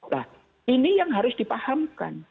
nah ini yang harus dipahamkan